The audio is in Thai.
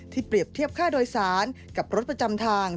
เปรียบเทียบค่าโดยสารกับรถประจำทาง